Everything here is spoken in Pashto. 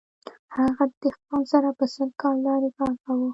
هغه د دهقان سره په سل کلدارې کار کاوه